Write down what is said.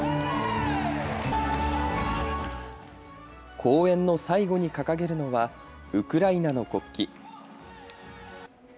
公演の最後に掲げるのはウクライナの国旗。